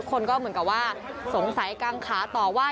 คนก็เหมือนกับว่าสงสัยกางขาต่อว่า